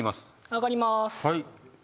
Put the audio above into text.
上がります。